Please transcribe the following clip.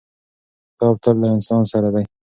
کتاب تل له انسان سره دی.